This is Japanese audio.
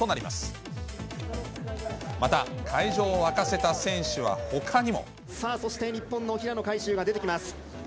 また会場を沸かせた選手はほかにも。さあ、そして日本の平野海祝が出てきます。